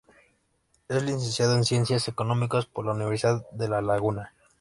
Es licenciado en Ciencias Económicas por la Universidad de La Laguna.